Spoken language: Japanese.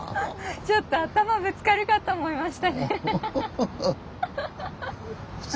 ちょっと頭ぶつかるかと思いましたね。